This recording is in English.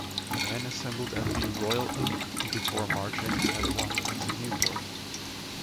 The men assembled at the Royal Oak before marching as one into Newport.